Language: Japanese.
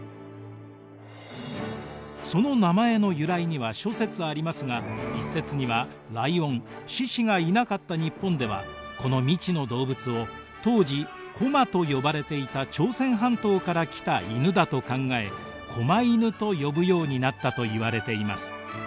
その名前の由来には諸説ありますが一説にはライオン獅子がいなかった日本ではこの未知の動物を当時高麗と呼ばれていた朝鮮半島から来た犬だと考え狛犬と呼ぶようになったといわれています。